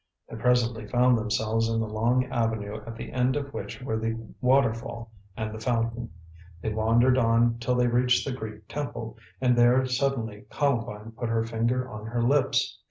They presently found themselves in the long avenue at the end of which were the waterfall and the fountain. They wandered on till they reached the Greek temple, and there suddenly Columbine put her finger on her lips.